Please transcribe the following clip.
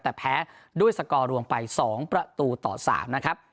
แต่แพ้ด้วยสกอร์รวมไป๒ประตูต่อ๓นะครับ